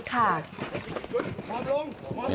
ค่ะ